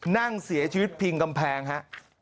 นั่งเสียชีวิตพิงกำแพงฮะ